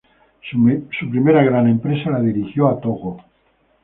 Su primera gran empresa la dirigió a Togo.